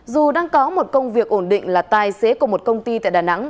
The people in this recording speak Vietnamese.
dù đang có một công việc ổn định là tài xế của một công ty tại đà nẵng